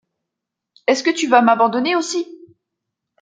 Est-ce que tu vas m'abandonner aussi ?